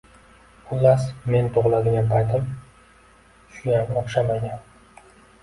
Xullas, men tugʻiladigan paytim shuyam oʻxshamagan